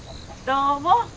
どうも。